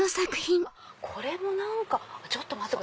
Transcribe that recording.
これも何かちょっと待ってください。